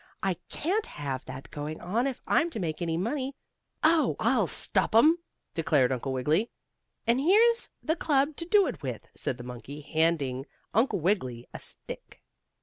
I can't have that going on if I'm to make any money." "Oh, I'll stop 'em!" declared Uncle Wiggily. "And here's the club to do it with," said the monkey, handing Uncle Wiggily a stick.